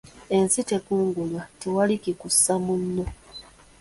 Ensi tekungulwa, tewali kikussa munno.